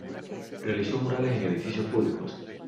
Realizó murales en edificios públicos.